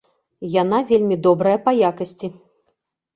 Яна вельмі добрая па якасці.